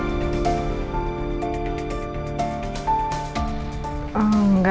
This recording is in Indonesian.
oh engga ya